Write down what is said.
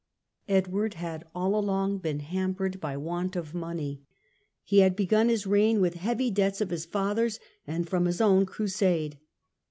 Edward had all along been hampered by want of money. He had begun his reign with heavy debts of his father's and from his own crusade.